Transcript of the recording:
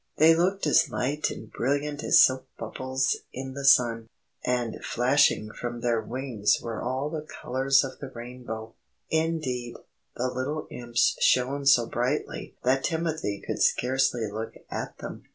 They looked as light and brilliant as soap bubbles in the sun, and flashing from their wings were all the colours of the rainbow. Indeed, the little Imps shone so brightly that Timothy could scarcely look at them.